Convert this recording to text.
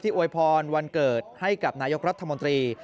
อวยพรวันเกิดให้กับนายกรัฐมนตรี